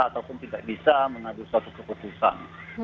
kita tidak bisa atau tidak bisa menanggapi satu keputusan